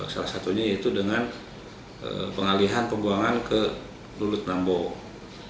salah satunya itu dengan pengalihan pembuangan ke lulut nambobogor